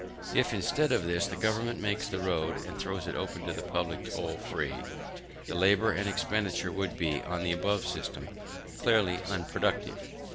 If, instead of this, the government makes the road, and throws it open to the public toll free, the labour and expenditure would be, on the above system, clearly unproductive.